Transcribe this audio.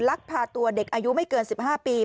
ลักพาตัวเด็กอายุไม่เกิน๑๕ปี